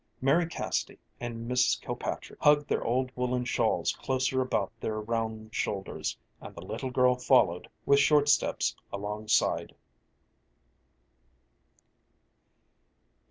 Mary Cassidy and Mrs. Kilpatrick hugged their old woolen shawls closer about their round shoulders, and the little girl followed with short steps alongside.